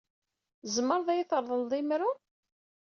Tzemreḍ ad iyi-treḍleḍ imru?